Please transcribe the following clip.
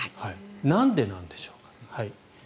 なんでなんでしょうかと。